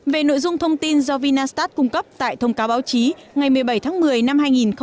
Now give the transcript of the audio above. về nội dung thông tin do vinastat cung cấp tại thông cáo báo chí ngày một mươi bảy tháng một mươi năm hai nghìn một mươi tám